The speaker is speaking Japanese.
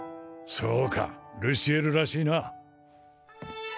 そうかルシエルらしいな